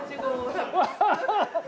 ハハハッ！